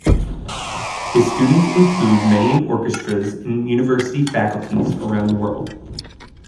His students include many in orchestras and university faculties around the world.